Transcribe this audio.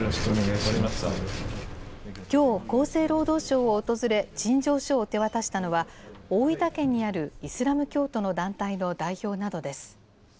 きょう、厚生労働省を訪れ、陳情書を手渡したのは、大分県にあるイスラム教徒の団体の代表などです。